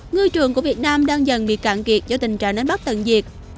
ngư trường của việt nam đang dần bị cạn kiệt do tình trạng đánh bắt tận diệt